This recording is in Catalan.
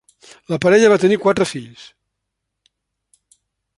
La parella va tenir quatre fills.